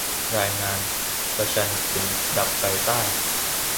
รายงาน : ประชันกึ๋นดับไฟใต้